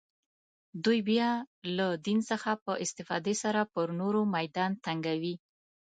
دوی بیا له دین څخه په استفاده سره پر نورو میدان تنګوي